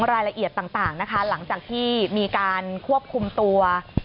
รายละเอียดต่างนะคะหลังจากที่มีการควบคุมตัว